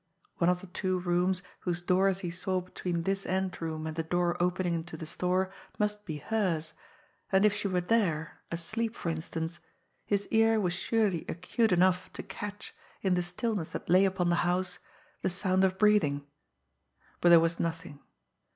One of the two rooms, whose doors he saw between this end room and the door opening into the store, must be hers, and if she were there, asleep, for instance, his ear was surely acute enough to catch, in the stillness that lay upon the house, the sound of breathing. But there was nothing.